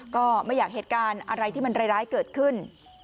ก็ไม่อยากเหตุการณ์อะไรที่มันร้ายเกิดขึ้น